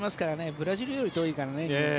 ブラジルより遠いからね。